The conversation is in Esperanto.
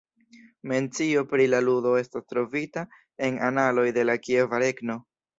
Mencio pri la ludo estas trovita en analoj de la Kieva Regno.